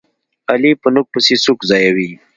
علي په نوک پسې سوک ځایوي.